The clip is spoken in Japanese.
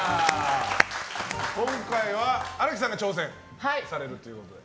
今回は荒木さんが挑戦されるということで。